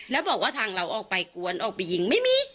แล้วบอกว่าทางเราออกไปกวนออกไปยิงไม่มี